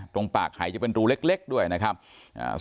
ตรงปากหายจะเป็นรูเล็กเล็กด้วยนะครับอ่า